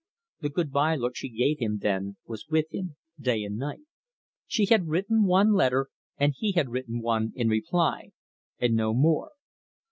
The good bye look she gave him then was with him day and night. She had written him one letter, and he had written one in reply, and no more.